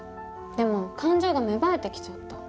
でも感情が芽生えてきちゃった。